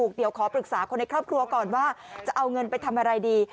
รนประสบคติว่าเธอต้องปรึกษาคนในครอบครัวก่อนว่าจะเอาเงินไปทำอะไรดี